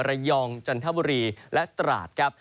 ระยองจันทบุรีและตราดครับ